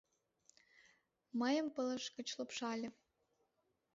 Мыйым пылыш гыч лупшале.